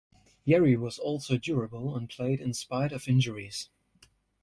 Yary was also durable and played in spite of injuries.